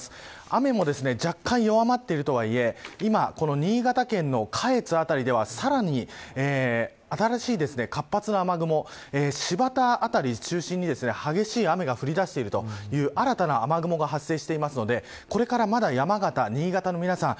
雨も若干弱まっているとはいえ今、新潟県の下越辺りではさらに新しい活発な雨雲、新発田辺りを中心に激しい雨が降り出しているという新たな雨雲が発生していますのでこれからまた山形、新潟の皆さん